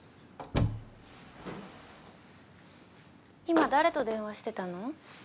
今誰と電話してたの？